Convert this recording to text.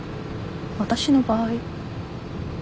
私の場合？